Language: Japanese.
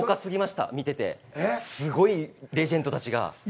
すごいレジェンドたちが。